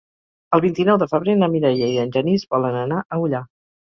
El vint-i-nou de febrer na Mireia i en Genís volen anar a Ullà.